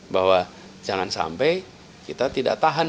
bahwa jangan sampai kita tidak tahan